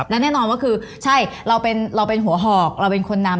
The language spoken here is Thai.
และแน่นอนว่าคือใช่เราเป็นหัวหอกเราเป็นคนนำ